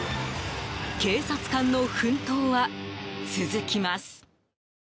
警察官の奮闘は続きます。